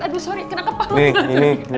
aduh sorry kena kepala